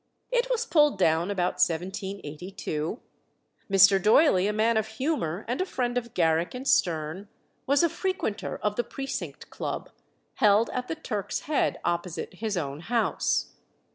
It was pulled down about 1782. Mr. Doyley, a man of humour and a friend of Garrick and Sterne, was a frequenter of the Precinct Club, held at the Turk's Head, opposite his own house.